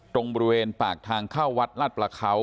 ตรงบริเวณปากทางเข้าวัดลาดประเขา